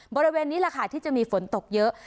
บริเวณนี้แหละค่ะที่จะมีฝนตกเยอะ